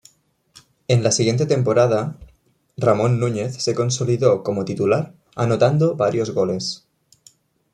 En la siguiente temporada, Ramón Núñez se consolidó como titular anotando varios goles.